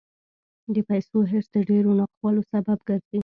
د پیسو حرص د ډېرو ناخوالو سبب ګرځي.